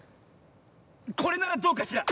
これならどうかしら？